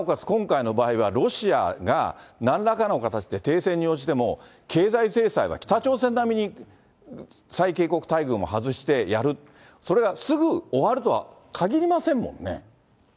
今回の場合はロシアがなんらかの形で停戦に応じても、経済制裁は北朝鮮なみに最恵国待遇も外してやる、それがすぐ終わるとは限りませんもんね。